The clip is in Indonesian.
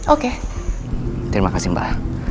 oke terima kasih mbak